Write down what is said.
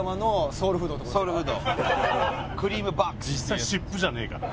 実際湿布じゃねえから。